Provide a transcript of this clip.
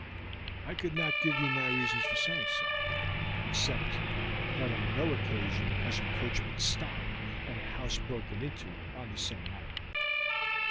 I could not give you my reasons for saying so, except that on no occasion has a coach been stopped and a house broken into on the same night.